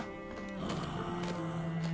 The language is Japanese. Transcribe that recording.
ああ。